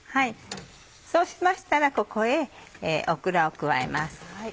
そうしましたらここへオクラを加えます。